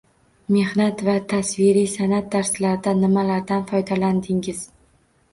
Mehnat va tasviriy sanʼat darslarida nimalardan foydalandingiz?